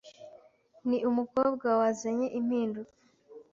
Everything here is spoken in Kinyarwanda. Ni umukobwa wazanye impinduka